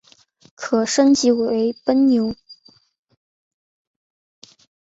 可升级成奔牛。